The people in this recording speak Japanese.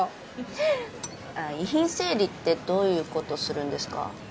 遺品整理ってどういう事するんですか？